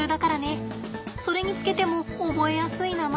それにつけても覚えやすい名前だ。